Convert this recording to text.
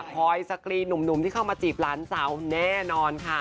คอยสกรีนหนุ่มที่เข้ามาจีบหลานสาวแน่นอนค่ะ